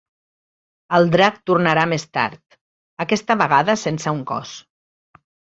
El drac tornarà més tard, aquesta vegada sense un cos.